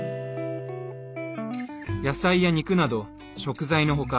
野菜や肉などの食材の他